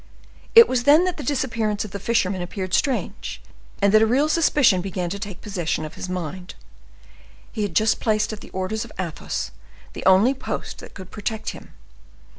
It was then that the disappearance of the fisherman appeared strange, and that a real suspicion began to take possession of his mind. He had just placed at the orders of Athos the only post that could protect him.